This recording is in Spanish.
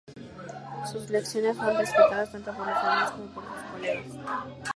Sus lecciones fueron respetadas tanto por los alumnos como por sus colegas.